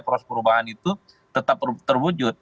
perubahan itu tetap terwujud